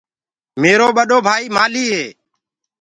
ميرو ٻڏو ڀآئيٚ مآلهيٚ هي۔